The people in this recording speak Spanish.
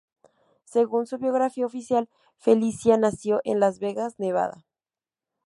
Según su biografía oficial, Felicia nació en Las Vegas, Nevada.